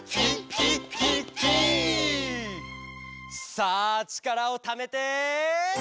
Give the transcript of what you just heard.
「さあちからをためて」